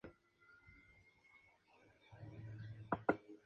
Su concepción y ejecución fue obra de la asociación Unión por una Región Catalana.